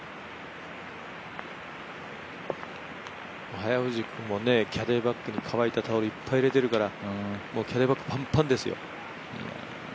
早藤君もキャリーバッグに乾いたタオルいっぱい入れてるから、キャディーバッグパンパンですよ。